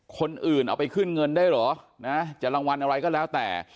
คนอื่นเอาไปขึ้นเงินได้เหรอนะจะรางวัลอะไรก็แล้วแต่